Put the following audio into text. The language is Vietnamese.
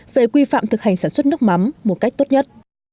về quy phạm thực hành sản xuất nước mắm một cách tốt nhất